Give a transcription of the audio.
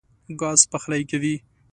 ګاز پخلی کوي.